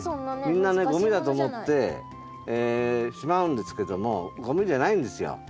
みんなゴミだと思ってしまうんですけどもゴミじゃないんですよ。